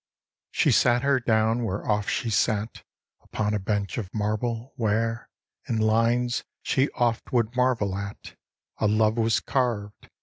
She sat her down, where oft she sat, Upon a bench of marble, where, In lines, she oft would marvel at, A love was carved.